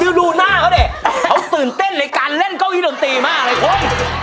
ดูหน้าเขาดิเขาตื่นเต้นในการเล่นเก้าอี้ดนตรีมากเลยคุณ